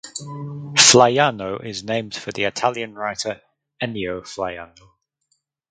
Flaiano is named for the Italian writer Ennio Flaiano.